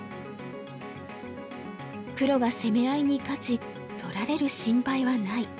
黒が攻め合いに勝ち取られる心配はない。